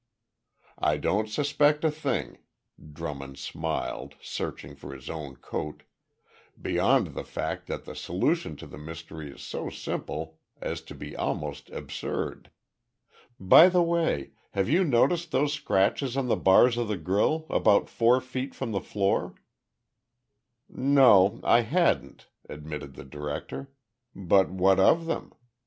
"I don't suspect a thing," Drummond smiled, searching for his own coat, "beyond the fact that the solution to the mystery is so simple as to be almost absurd. By the way, have you noticed those scratches on the bars of the grille, about four feet from the floor?" "No, I hadn't," admitted the director. "But what of them?